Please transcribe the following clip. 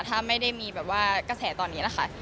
ถ้าไม่ได้มีแบบว่ากระแสตอนนี้นะคะ